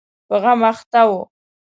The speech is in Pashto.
په غم اخته و.